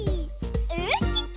ウッキッキ！